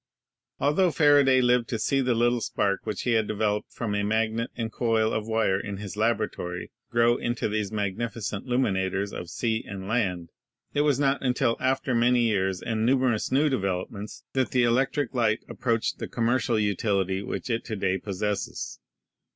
Altho Faraday lived to see the little spark which he had developed from a magnet and coil of wire in his laboratory grow into these magnificent illu minators of sea and land, it was not until after many years and numerous new developments that the electric light approached the commercial utility which it to day pos sesses.